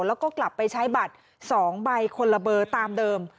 แล้วก็กลับไปใช้บัตร๒ใบคนละเบอร์ตามเดิม